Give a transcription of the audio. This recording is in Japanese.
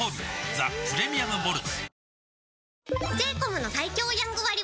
ザ・プレミアム・モルツ」